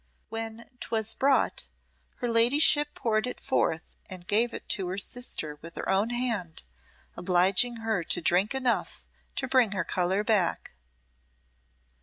When 'twas brought, her ladyship poured it forth and gave it to her sister with her own hand, obliging her to drink enough to bring her colour back.